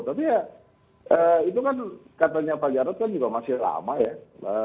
tapi ya itu kan katanya pak jarod kan juga masih lama ya